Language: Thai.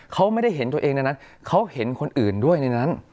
เขาไม่ได้เห็นตัวเองในนั้นเขาเห็นคนอื่นด้วยในนั้น